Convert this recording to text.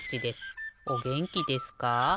おげんきですか？